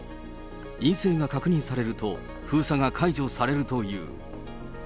陰性が確認されると、封鎖が解除されるという。